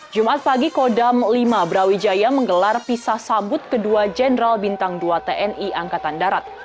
jumat pagi kodam lima brawijaya menggelar pisah sabut kedua jenderal bintang dua tni angkatan darat